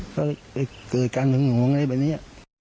ก็เกิดการหิวหนูงอีกไป